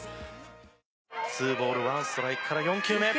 「２ボール１ストライクから４球目」